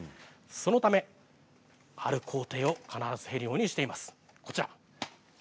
そのためある工程を必ずやるようにしています。